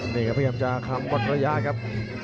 นี่ครับพยายามจะคำบนระยะครับ